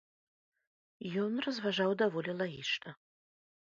Ён разважаў даволі лагічна.